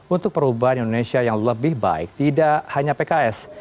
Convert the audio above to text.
untuk perubahan indonesia yang lebih baik tidak hanya pks